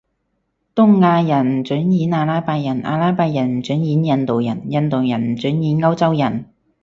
東亞人唔准演阿拉伯人，阿拉伯人唔准演印度人，印度人唔准演歐洲人？